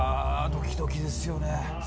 ドキドキですよね。